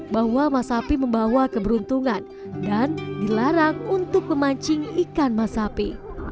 bahwa masapi membawa keberuntungan dan dilarang untuk memancing ikan masapi